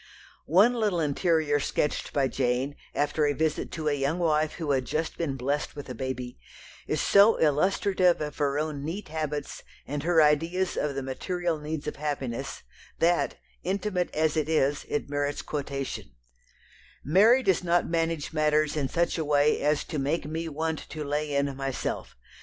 One little "interior" sketched by Jane, after a visit to a young wife who had just been blessed with a baby, is so illustrative of her own neat habits, and her ideas of the material needs of happiness, that, intimate as it is, it merits quotation: "Mary does not manage matters in such a way as to make me want to lay in myself.